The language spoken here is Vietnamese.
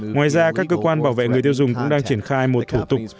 ngoài ra các cơ quan bảo vệ người tiêu dùng cũng đang triển khai một thủ tục